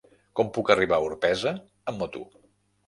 Com puc arribar a Orpesa amb moto?